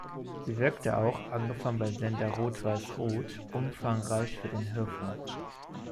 Sie wirkte auch, angefangen beim Sender Rot-Weiß-Rot, umfangreich für den Hörfunk.